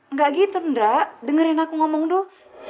nggak gitu ndra dengerin aku ngomong dulu